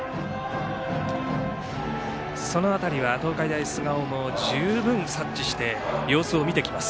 その辺りは、東海大菅生も十分、察知して様子を見てきます。